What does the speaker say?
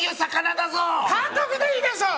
監督でいいでしょ！